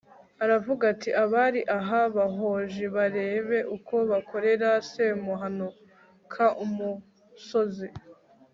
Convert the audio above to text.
aravuga ati abari aha bahoji barebe uko bakorera semuhanuka umusozi